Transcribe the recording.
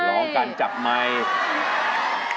การร้องการจับไมค์